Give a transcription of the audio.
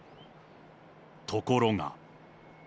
ところが。